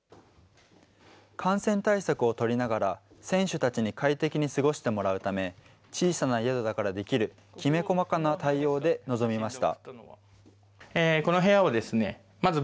感染対策を取りながら、選手たちに快適に過ごしてもらうため、小さな宿だからできる、きめ細かな対応で臨みました。